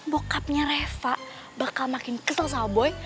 bokapnya reva bakal makin kesel sama boy